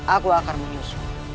aku akan menyusul